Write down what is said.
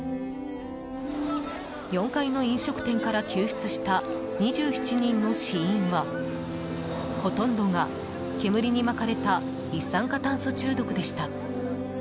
４階の飲食店から救出した２７人の死因はほとんどが煙に巻かれた一酸化炭素中毒でした。